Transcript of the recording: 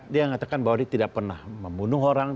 dia mengatakan bahwa dia tidak pernah membunuh orang